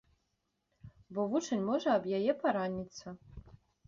Бо вучань можа аб яе параніцца.